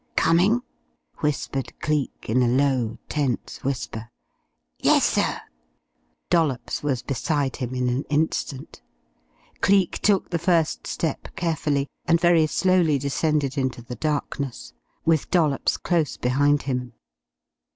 "Coming?" whispered Cleek in a low, tense whisper. "Yes sir." Dollops was beside him in an instant. Cleek took the first step carefully, and very slowly descended into the darkness, with Dollops close behind him.